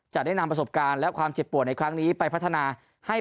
จะได้นำประสบการณ์และความเจ็บปวดในครั้งนี้ไปพัฒนาให้